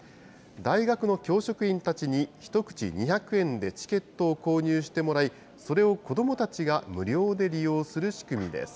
大学の教職員たちに１口２００円でチケットを購入してもらい、それを子どもたちが無料で利用する仕組みです。